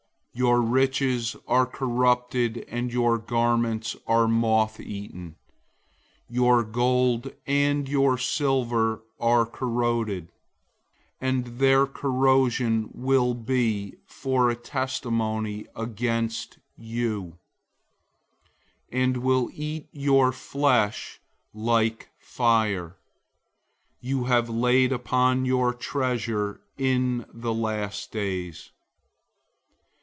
005:002 Your riches are corrupted and your garments are moth eaten. 005:003 Your gold and your silver are corroded, and their corrosion will be for a testimony against you, and will eat your flesh like fire. You have laid up your treasure in the last days.